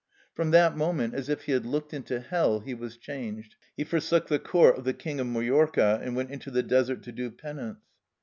From that moment, as if he had looked into hell, he was changed; he forsook the court of the king of Majorca, and went into the desert to do penance.